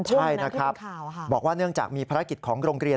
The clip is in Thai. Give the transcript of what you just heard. ใช่นะครับบอกว่าเนื่องจากมีภารกิจของโรงเรียน